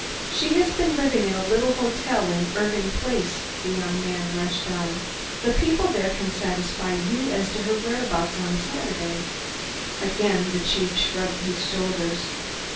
"She has been living at a little hotel in Irving Place," the young man rushed on. "The people there can satisfy you as to her whereabouts on Saturday?" Again the chief shrugged his shoulders.